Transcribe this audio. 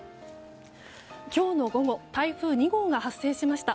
今日の午後台風２号が発生しました。